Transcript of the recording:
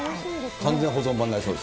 完全保存版になりそうです。